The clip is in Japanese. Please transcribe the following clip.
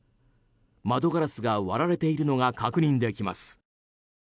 窓ガラスが割られているのが確認できます。